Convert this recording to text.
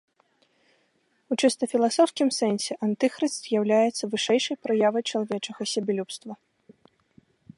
У чыста філасофскім сэнсе антыхрыст з'яўляецца вышэйшай праявай чалавечага сябелюбства.